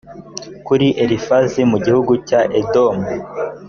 kuri elifazi mu gihugu cya edomu